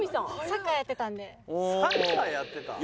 サッカーやってた？